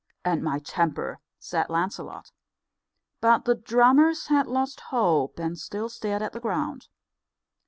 "And my temper," said Lancelot. But the drummers had lost hope, and still stared at the ground.